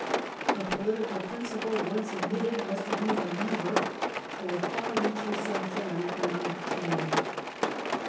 The political principle once admitted was to be the lever for far reaching social and economic change.